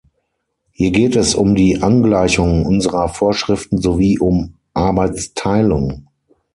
Hier geht es um die Angleichung unserer Vorschriften sowie um Arbeitsteilung.